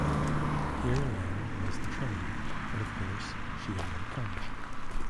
Here, then, was the train, but of course she had not come.